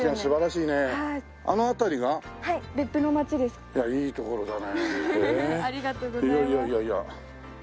いやいやいやいや。